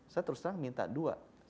saya terus terang minta dua